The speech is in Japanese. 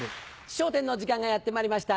『笑点』の時間がやってまいりました。